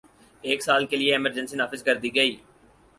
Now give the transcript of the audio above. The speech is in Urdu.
ایک سال کے لیے ایمرجنسی نافذ کر دی گئی